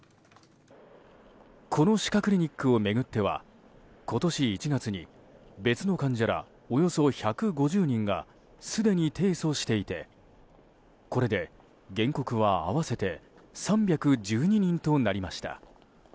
この歯科クリニックを巡っては今年１月に別の患者らおよそ１５０人がすでに提訴していてこれで原告は合わせて３１２人となりました。